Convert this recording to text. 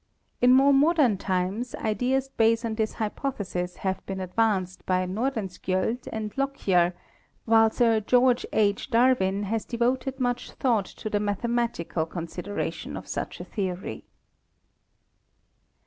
In more modern times ideas based on this hypothesis have been advanced by Nordenskiold and Lockyer, while Sir George H. Dar win has devoted much thought to the mathematical con sideration of such a theory.